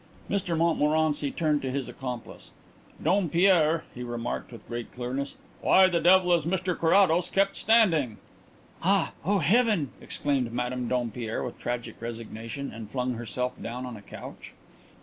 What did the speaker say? Mr Montmorency turned to his accomplice. "Dompierre," he remarked, with great clearness, "why the devil is Mr Carrados kept standing?" "Ah, oh, heaven!" exclaimed Madame Dompierre with tragic resignation, and flung herself down on a couch.